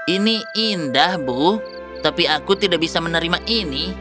ini indah bu tapi aku tidak bisa menerima ini